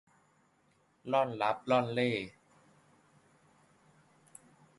ร่อนรับร่อนเร่